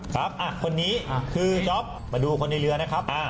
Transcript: ครับอ่ะคนนี้อ่ะคือมาดูคนในเรือนะครับอ่า